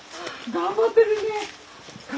頑張ってる！